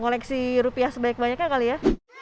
koleksi rupiah sebaik banyaknya kali ya